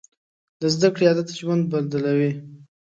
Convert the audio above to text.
د زده کړې عادت ژوند بدلوي.